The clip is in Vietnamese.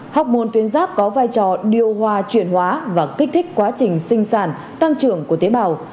học môn tuyến giáp có vai trò điều hòa chuyển hóa và kích thích quá trình sinh sản tăng trưởng của tế bào